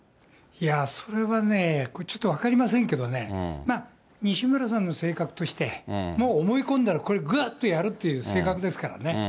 それはね、ちょっと分かりませんけどね、西村さんの性格として、もう思い込んだら、これ、ぐっとやるっていう性格ですからね。